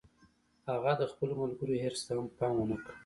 هغه د خپلو ملګرو حرص ته هم پام و نه کړ